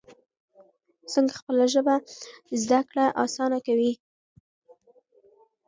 څنګه خپله ژبه زده کړه اسانه کوي؟